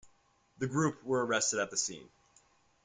The group were arrested at the scene.